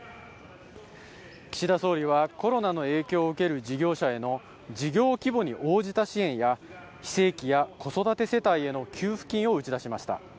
岸田総理はコロナの影響を受ける事業者への事業規模に応じた支援や、非正規や子育て世代への給付金を打ち出しました。